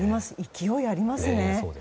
勢いありますね。